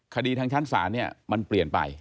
คดีทางชั้นศาลเนี่ยมันเปลี่ยนไป